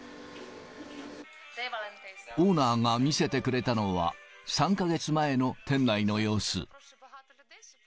オーナーが見せてくれたのは、３か月前の店内の様子。